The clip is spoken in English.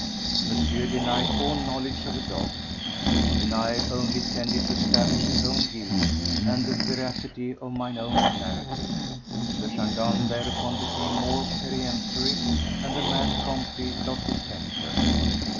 Monsieur denied all knowledge of a dog, which denial only tended to establish his own guilt and the veracity of mine own narrative. The gendarme thereupon became more peremptory and the man promptly lost his temper.